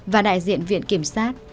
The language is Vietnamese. và đại diện viện kiểm soát